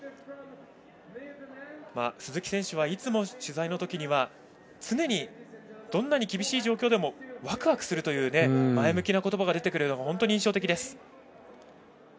鈴木選手はいつも取材のときには常に、どんなに厳しい状況でもワクワクするという前向きな言葉が出てくるのが本当に印象的です。